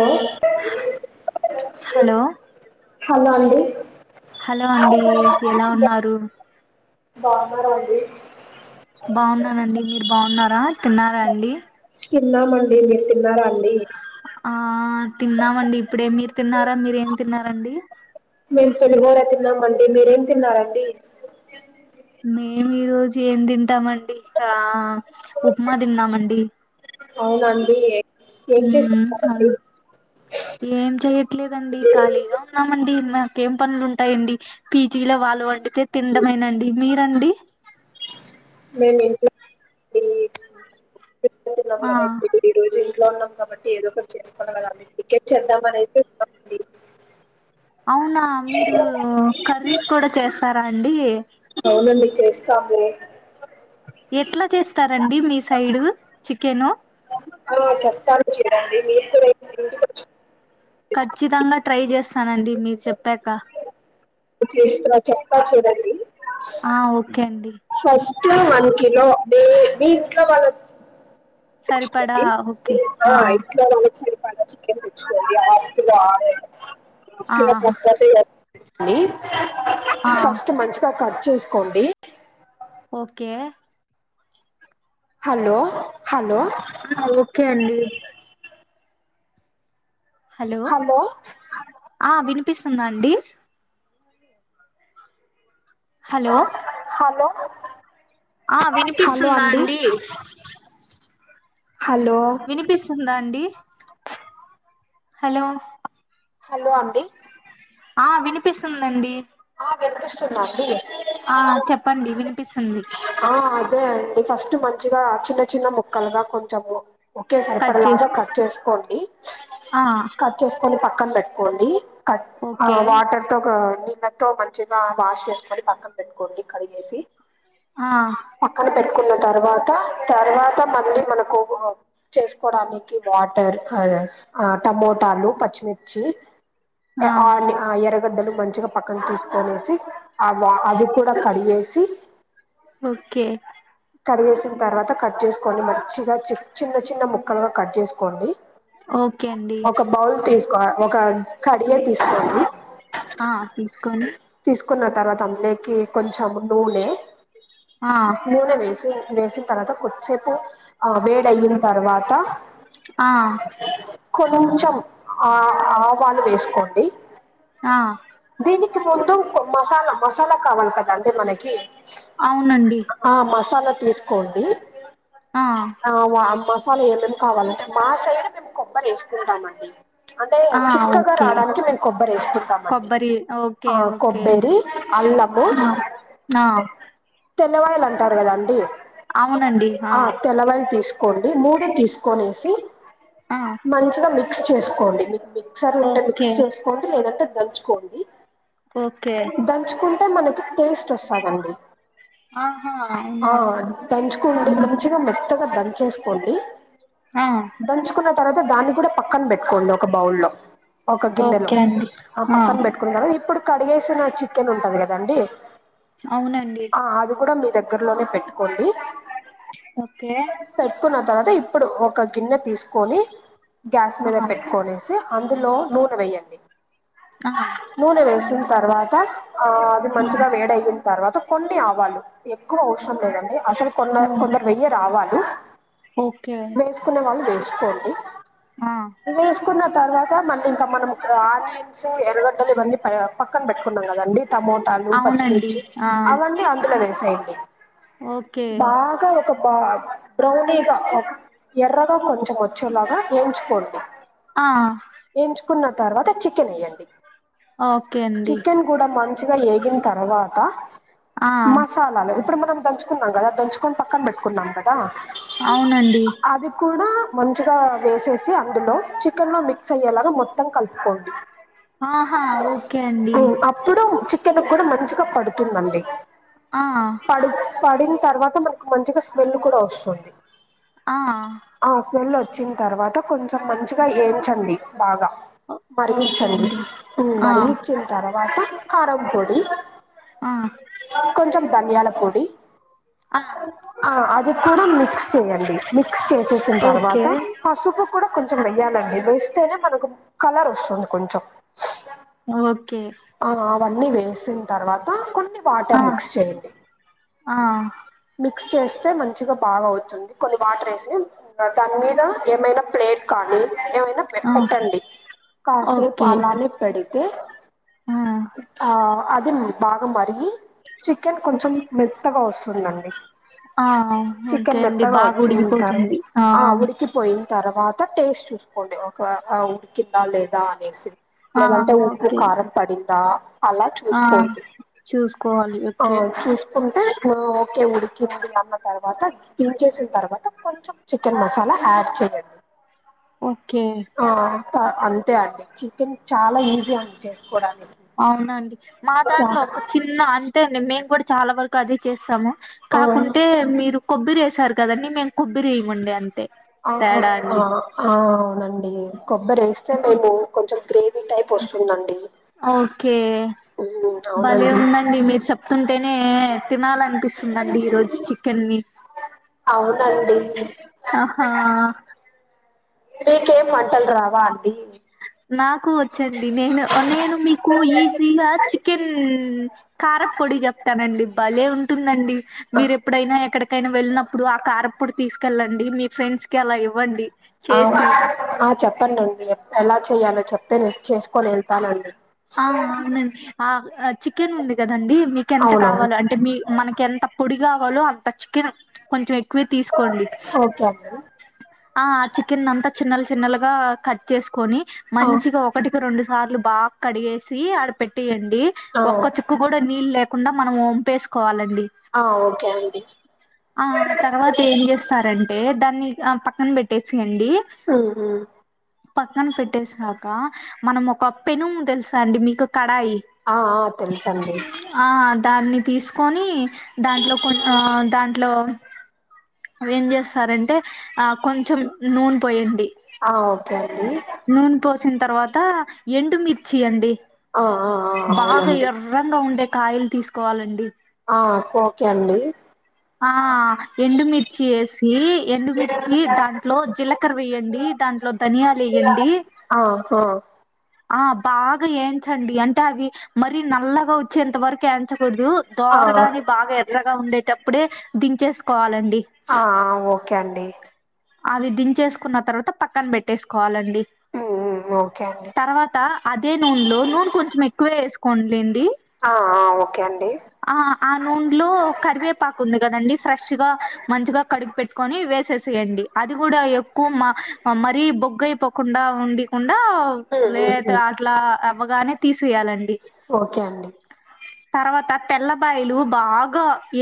ఓ. Hello hello అండి. Hello అండి ఎలా ఉన్నారు. బాగున్నార అండి.. బాగున్నానండి మీరు బాగున్నారా తిన్నారా అండి. తిన్నామండి మీరు తిన్నారా అండి. ఆ తిన్నామండి ఇప్పుడే మీరు తిన్నారా మీరేమి తిన్నారండి. మేము పులిహోర తిన్నామండి మీరేం తిన్నారండి. మేము ఈ రోజు ఏం తింటామండి ఆ ఉప్మా తిన్నామండి. అవునండి. ఏం హ చేస్తున్నారండి అవును ఏం చేయ్యట్లేదండి ఖాళీగా ఉన్నామండి మాకేం పనులుంటాయండి. పీజీల వాళ్ళు వండితే తిండమేనండి మీరండి. మే ఇంట్లో ఆ నబర్ అయి [unintelligible] ఈ రోజు ఇంట్లో ఉన్నాం కాబట్టి ఏదో ఒకటి చేసుకోగలా టికెట్ చేద్దాం అనేతేంది. అవునా మీరు కర్రీస్ కూడా చేస్తారా అండి. అవునండి చేస్తాము. ఎట్లా చేస్తారంండి మీ సైడు చికెను. ఆ చెప్తాను చూడండి మీరు కూడా ఇంటికి వచ్చ. ఖచ్చితంగా ట్రై చేస్తానండి మీరు చెప్పాక. చేస్తరా చెప్తా చూడండి. ఆ ఓకే అండి. ఫస్ట్ వన్ కిలో బే బి ఇంట్లో వాళ్ళ. సరిపడా ఓకే తెచ్చుకోండిఆ ఆ ఇట్లా వాళ్ల వ. చికెన్ తెచ్చుకోండి హాఫ్ కిలో ఆఫ్ ఆ కిలో కాకపోతే. ఆ ఫస్ట్ మంచిగా కట్ చేసుకోండి. ఓకే. హలో. హలో ఆ ఓకే అండి. హలో ఆ వినిపిస్తుందా అండి. హలో. హలో. ఆ వినిపిస్తుందా అండి. హలో. వినిపిస్తుందా అండి హలో హలో అండి ఆ వినిపిస్తుందండి ఆ వినిపిస్తుందా అండి ఆ చెప్పండి వినిపిస్తుంది ఆ అదే అండి ఫస్ టు మంచిగా చిన్న చిన్న ముక్కలుగా కొంచెము ఒకె సరిపడ కట్ లాగా చేసుకో కట్ చేసుకోండి ఆ కట్ చేసుకొని పక్కన పెట్టుకోండి కట్ ఆ ఓకే వాటర్ తోక నీళన్ తో మంచిగా వాష్ చేసుకొని పక్కన పెట్టుకోండి కడిగేసి ఆ పక్కన పెట్టుకున్న తర్వాత తర్వాత మళ్ళీ మనకో గో చేసుకోడానికి వాటర్ హదర్స్ ఆ టమోటాలు పచ్చిమిర్చి ఎ ఆ అని అ ఎర్రగడ్డలు మంచిగా పక్కన తీసుకొనేసి అ వ అది కూడా కడిగేసి ఓకే [inaudible] కడిగేసిన తర్వాత కట్ చేసుకోండి మంచిగా చి చిన్న చిన్న ముక్కలుగా కట్ చేసుకోండి ఓకే అండి ఒక బౌల్ తీసుకో ఒక కడియ తీసు ఆ తీసుకొని తీసుకున్న తర్వాత అందులేకి కొంచెం నూనే ఆ నూనే వేసి వేసి తర్వాత కొద్దిసేపు ఆ వేడి అయిన్ తర్వాత ఆ కొంచెం అ ఆవాలు వేసుకోండి ఆ దీనికి ముందు కో మసాలా మసాలా కావాలి కదా అండి మనకి అవునండి ఆ మసాలా తీసుకోండి ఆ ఆ వ మసాలా ఏమేమి కావాలంటే మా సైడ్ మేం కొబ్బరి వేసుకుంటామండి అంటే ఆ చిక్కగా రాడానికి మేం కొబ్బరి వేసుకుంటామండి ది ఓ ఆ కొబ్బేరి అల్లము ఆ ఆ తెల్లవాయిల్ అంటారు కదాండి ఆ తెల్లవాయల్ తీస్ కొండి మూడు తీసుకొనేసి ఆ మంచిగా మిక్స్ చేసుకోండి మిక్ మిక్ చర్ ఉంటే ఓకే మిక్స్ చేసుకోండి లేదంటే దంచుకోన్ ఓకే దంచుకుంటే మనకి టేస్ట్ వస్తాదండి ఆహా ఆ అవునా దంచుకోండి ఉమ్ మంచిగా మెత్తగా దంచేసుకోండి ఆ దంచుకున్న తర్వాత దాన్ని కూడా పక్కన పెట్టుకోండి ఒక బౌల్లో ఒక గిన్నెలో ఓకే అండి ఆ పక్కన పెట్టుకున్నారా ఇప్పుడు కడిగేసిన చికెన్ ఉంటది కదండి అవునండి ఆ అది గుడా మీ దగ్గరలోనే పెట్టుకోండి ఓకే పెట్టుకున్న తర్వాత ఇప్పుడు ఒక గిన్నె తీసుకొని గ్యాస్ ఆ మీద పెట్టుకొని అందులో నూనె వేయ్యండి ఆహ నూనె వేసిన తర్వాత ఆ అది ఆ మంచిగా వేడయిన తర్వాత కొన్ని ఆవాలు ఎక్కువ అవసరం లేదండి అసలు కొన్న కొందరు వెయ్యరు ఆవాల ఓకె కున్న వాళ్ళు వేసుకోండి ఆ వేసుకున్న తర్వాత మళ్ళీ ఇంకా మనం ఆనియన్స్ మళ్లీ ఇవన్నీ పక్కన పెట్టుకున్నాం కదండి టమోటాలు అవునండి పచ్చిమిర్చి ఆ అవన్నీ అందులో వేసేయండి ఓకే బాగా ఒక బ బ్రౌనీగా ఎర్రగా కొంచెం వచ్చేలాగా వేయించుకోండి ఆ వేయించుకున్న తర్వాత చికెన్ ఎయ్యండి ఓకే అండి చికెన్ కూడా మంచిగా వేగిన తర్వాత ఆ మసాలాలు ఇప్పుడు మనం దంచు న్నాం కదా దంచుకొని పక్కన పెట్టుకున్నాం కదా అవునండి అది కూడా మంచిగా వేసేసి అందులో చికెన్నలో మిక్స్ అయ్యేలాగా మొత్తం కలుపుకోండి ఆహా ఓకే అండి అప్పుడు చికెన్కి కూడా మంచిగా పడుతుందండి ఆ ప పడిన తర్వాత మనకు మంచిగా స్మెల్ కూడా వస్తుంది ఆ ఆ స్మెల్ వచ్చిన తర్వాత కొంచెం మంచిగా వేయించండి బాగా ఓ ఓకే మరిగించండి అండి ఆ మరిగించిన తర్వాత కారం పొడి ఆ కొంచెం ధనియాల పొడి ఆ ఆ అది కూడా మిక్స్ చేయండి మిక్స్ చేసేసిన ఓకే తర్వాత పసుపు కూడా కొంచెం వెయ్యాలండి వేస్తేనే మనకు కలర్ వస్తుంది కొంచెం ఓకే ఆ అవన్నీ వేసిన తర్వాత కొన్ని ఆ వాటర్ మిక్స్ చేయండి ఆ మిక్స్ చేస్తే మంచిగా బాగా అవుతుంది కొన్ని వాటర్ వేసి దాని మీద ఏమైనా ప్లేట్ కానీ ఏమైనా ఆ పెట్టండి కాసేపు ఓకే అలానే పెడితే ఆ ఆ అదేండి బాగా మరిగి చికెన్ కొంచెం మెత్తగా వస్తుందండి ఆ ఓకే చికెన్ అండి మెత్తగా బాగా వచ్చిన్ తర్వా ఉడికిపోతుంది ఆ ఉడికి పోయిన తర్వాత టేస్ట్ చూసుకోండి ఒక ఉడుకుతుందా లేదా అనేసి ఆ ఆ! లేదంటే ఉప్పు ఓకే కారం పడిందా అలా ఆ చూసుకోండి చూసుకోవాలి ఆ ఓకే చూస్ కుంటే ఓకే ఉడికింది అన్న తర్వాత దిన్ చేసిన తర్వాత కొంచెం చికెన్ మసాలా యాడ్ చేయండి ఓకే ఆ అంతే అండి చికెన్ చాలా ఈజీ అండి చేసుకోవడానికి అవునండి మా చా దాంట్లో ఒక చిన్న అంతే అండి మేము కూడా చాలా వరకు అదే చేస్తాము ఆ, కాకుంటే మీరు కొబ్బరి వేసారు కదండి మేము కొబ్బరి వెయ్యమండి అంతే ఆహా తేడా ఆ అండి ఆ అవునండి కొబ్బరి వేస్తే మేము కొంచెం గ్రేవీ టైప్ వస్తుందండి ఓకే ఉ భలే ఉందండి మీరు చెప్తుంటేనే తినాలనిపిస్తుందండి ఈ రోజు చికెన్ని అవునండి ఆహా మీకేం వంటలు రావ నాకు వచ్చండి నేను నేను మీకు ఈసీగ చికెన్ ఆ కారపొడి చెప్తానండి భలే ఉంటుందండి మీరు ఆ, ఎప్పుడైనా ఎక్కడికైనా వెళ్ళినప్పుడు ఆ కార అప్పుడు తీసుకెళ్ళండి మీ ఫ్రెండ్స్కి అలా ఇవ్వండి ఆ చేసి ఆ చెప్పండి ఎలా చెయ్యాలో చెప్తే నే చేసుకొని వెళ్తానండి ఆ అవునండి ఆ చికెన్ ఉంది కదండి మీకెంత అవునవును కావాలో అం [unintelligible] మీ మనకి ఎంత పొడి కావాలో అంత చికెన్ కొంచెం ఎక్కువే తీసుకోండి ఓకే అండి ఆ ఆ చికెన్ అంతా చిన్నలు చిన్నలుగా కట్ చేసుకొని ఆ మంచిగ ఒ [unintelligible] రెండు సార్లు బాగ కడిగేసి ఆడ పెట్టేయండి ఆ ఒక్క చు క్ కూడ నీళ్ళు లేకుండా మనం ఓంపేసుకోవా లండి ఆ ఓకే అండి ఆ తర్వాత ఏం చేస్తారంటే దాన్ని పక్కన పెట్టేసియండి ఉహు పక్కన పెట్టేసాక మనం ఒక పెనుము తెలుసా అండి మీకు కడాయి ఆ ఆ తెలుసండి ఆ దాన్ని తీసుకొని దాంట్లో కొన్ని ఆ దా ఇట్లో ఏం చేస్తారంటే ఆ కొంచెం నూనె పోయండి ఆ ఓకే అండి నూనె పోసిన తర్వాత ఎండుమిర్చి అండి ఆ ఆ ఆ బాగ ఎ అవునండి ఎర్రంగా ఉండే కాయలు తీసుకోవాలండి ఆఒకే అండి ఆ ఎండుమిర్చి వేసి ఎండుమిర్చి ఆ దాంట్లో జి కార వేయండి దాంట్లో ధనియాలు వేయండి ఆ ఆ ఆ బాగ ఏంచండి అంటే అవి మరి నల్లగ వచ్చేంత వరకు ఎంచకూడదు దోరగ అది బాగ ఎర్రగా ఉండేటప్పుడే దించేసుకోవాలండి ఆ ఓకే అండి అవి దించేసుకున్న తర్వాత పక్కన పెట్టేసుకోవాలండి ఉ ఒకే అండి తర్వాత అదే నూనెలో నూనె కొంచెం ఎక్కువ వేసుకోలేండి ఆ ఆ ఒకే అండి ఆ ఆ నూనెలో కరివేపాకు ఉంది కదండి ఫ్రెష్గా మంచిగా కడిగి పె కొని వేసేసేయండి అది కూడ ఎక్కువ మ మరీ బొగ్ అయిపోకుండ ఉండికుండ లే అట్ల అవ్వగానే తీసివేయాలండి ఓకే అండి తర్వాత తెల్లబయలు బాగ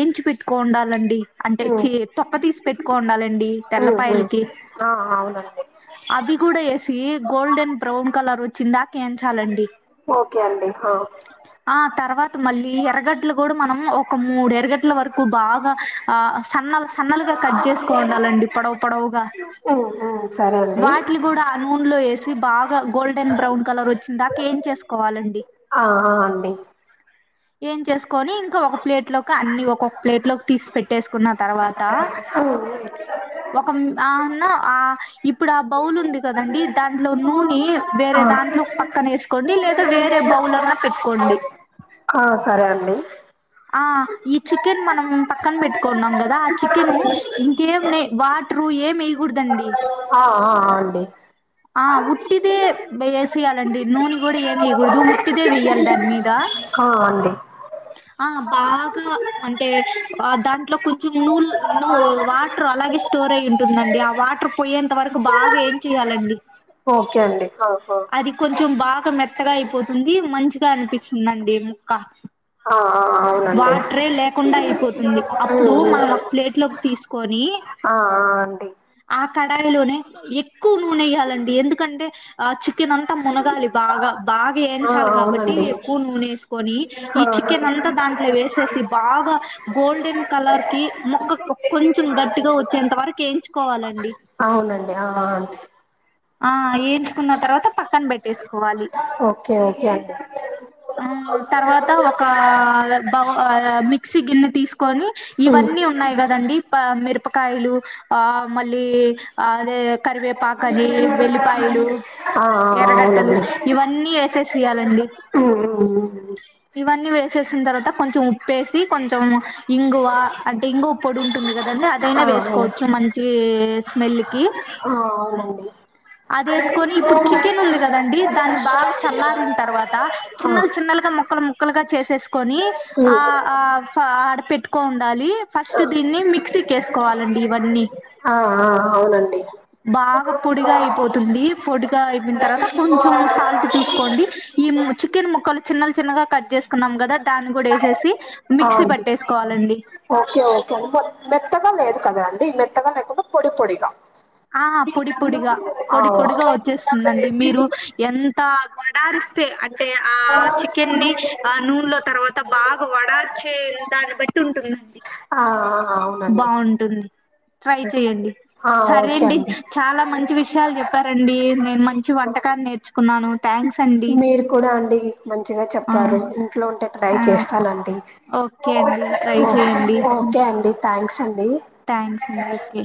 ఎంచి పెట్టు ఉండాలండి అంటే ఉమ్, చి తొక్క తీసి పెట్టుకో ఉండాలండి ఉమ్, ఉమ్. తెల్లపాయలకి ఆ అవునండి అవి కూడా వేసి గోల్డెన్ బ్రౌన్ కలర్ వచ్చిందాక ఏంచ్ చలండి ఓకే అండి ఆ ఆ తర్వా మళ్ళీ ఎరగట్లు కూడా మనం ఒక మూడు ఎరగట్ల వరకు బాగా ఆ సన్నం సన్నలుగా కట్ చేసుకో ఉండాలండి పొడవు పొడవుగా అవున వాటిలు కూడా అనూన్లో వేసి బాగా గోల్డెన్ బ్రౌన్ కలర్ వచ్చిన్ దాక ఏన్ చేసుకోవాలండి ఆహ అండి ఏంచేసుకొని ఇంకా ఒక ప్లేట్ ట్లోకి అన్ని ఒకొక్క ప్లేట్ లోకి తీస్ పెట్టేసుకున్న తర్వాత ఉమ్, ఉమ్. ఒ కం ఆన్న ఆ ఇప్ ఇప్పుడు ఆ బౌల్ ఉంది కదండి దాంట్లో నూనీ వేరే ఆ దాంట్లో పక్కన వేసుకోండి లేదా వేరే బౌల్ అన్న పెట్టుకోండి ఆ సరే అండి ఆ ఈ చికెన్ మనం పక్కన పెట్టుకున్నాం కదా ఆ చికెన్ ఇం గేమ్ నే వాటరు ఏం వేయకూడదండి ఆ ఆ అండీ ఆ ఉట్టిదే వేసేయ్యాలండి నూనె కూడా ఏమి వేయకూడదు ఉట్టిదే వేయ్యాలి దాని మీద ఆ అండి ఆ బాగా అంటే ఆ దాంట్లో కొంచెం నూలు నూ వాటర్ అలాగే స్టోరే అయ్ ఉంటుందండి ఆ వాటర్ పోయేంత వరకు బాగా ఏం చెయ్యాలండి ఓకే అండి ఆహ అది కొంచెం బాగా మెత్తగా అయిపోతుంది మంచిగా అనిపిస్తుందండి ముక్క ఆ ఆ అవునండి వాటరే లేకుండా అయిపోతుంది అప్పుడు ఉమ్ మనం ఒక ప్లేట్ లోక్ తీసుకొని ఆ ఆ అండి ఆ కడాయిలోనే ఎక్కువ నూనె వెయ్యాలండి ఎందుకంటే ఆ చికెన్ అంతా మునగాలి బాగా బాగా ఆ వేయించాలి కాబట్టి అవునండి ఎకూ నూనేసుకొని ఈ ఆ చికెన్ అంతా దాంట్లో వేసేసి బాగా గోల్డెన్ కలర్ కి మొక్క కొంచెం గట్టిగా వచ్చేంత వరకు ఏయించుకోవాలండి అవునండి ఆ అంతే ఆ ఏయించుకున్న తర్వాత పక్కన పెట్టేసుకోవాలి ఓకే ఓకే అండి ఆ తర్వాత ఒక బౌ ఆ మిక్సీ గిన్నె తీసుకు కొని ఉమ్ ఇవన్నీ ఉన్నాయి కదండి ప మీర్ ప్పకాయలు ఆ మళ్ళీ అదే కరివేపాకని వెల్లిపాయలు ఆ ఆ ఎర్రగడ్డలు అవునండి ఇవన్నీ వేసేసియాలండి మీరు ఇవన్నీ వేసేసిన తర్వాత కొంచెం ఉప్పేసి కొంచెం ఇంగువ అంటే ఇంగు పొడి ఉంటుంది కదండి అదైనా ఆ అవును వేసుకోవచ్చు మంచి స్మెల్ కి ఆ అవునండి అది వేసుకొని ఆ ఇప్పుడు ఉమ్, చికెన్ ఉంది కదండి దాన్ని బాగా చల్లారిన తర్వాత చిన్నలు చిన్నలుగా ముక్కలు ముక్కలుగా చేసేసుకొని ఆ ఆ ఫ ఆడ పెట్టుకోని ఉండాలి ఫస్ట్ దీన్ని మిక్సీ చెసుకోవాలండి ఇవన్నీ ఆ ఆ అవునండి బాగా పొడిగా అయిపోతుంది పొడిగా అయిపోయిన తర్వాత కొంచెం సాల్ట్ చూసుకోండి ఈ ము చికెన్ ముక్కలు చిన్నలు చిన్నగా కట్ చేసుకున్నాం గాదా దానిగూడా ఎసేసి ఆ మిక్సీ అండి పట్టేసుకోవాలండి ఓకే ఓకే అండి మో మెత్తగా లేదు కదాండి మెత్తగా లేకుండా పొడి పొడిగా ఆ పొడి పొడిగా ఆ, పొడి పొడిగా ఓకే వచ్చేస్తుందండి మీరు ఎంత వడారిస్తే అంటే ఆ చికెన్ని ఆ నూనెలో తర్వాత అంత బాగా వడార్చే దాన్ని బట్టి ఉంటుందండి ఆ ఆ ఆ అవును బాగుంటుంది ట్రై చేయండి ఆ, సరే ఓకే అండి చాలా మంచి చి విషయాలు చెప్పారండి నేను మంచి వంటకాన్ని నేర్చుకున్నాను థ్యాంక్స్ అండి మీరు కూడా అండి మంచిగా ఆ చెప్పారు ఇంట్లో ఉంటే ట్రై ఆ చేస్తానండి ఓకే అండి ట్రై చెయండి ఉ ఓకే అండి థ్యాంక్స్ అండి ఓకే